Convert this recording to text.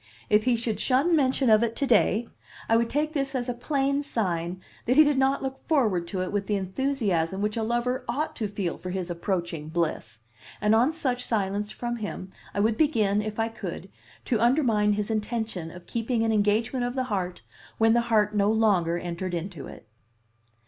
If he should shun mention of it to day, I would take this as a plain sign that he did not look forward to it with the enthusiasm which a lover ought to feel for his approaching bliss; and on such silence from him I would begin, if I could, to undermine his intention of keeping an engagement of the heart when the heart no longer entered into it.